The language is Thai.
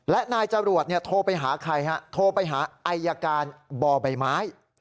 และนายจรวดโทรไปหาใครฮะโทรไปหาอายการบ่อใบไม้